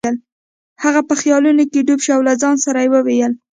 هغه په خیالونو کې ډوب شو او له ځان سره یې وویل.